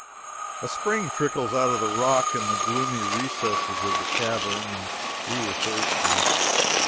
A spring trickles out of the rock in the gloomy recesses of the cavern, and we were thirsty.